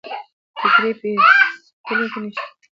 د ټیکري پیڅکو کې نښلي